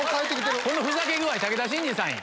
このふざけ具合武田真治さんや。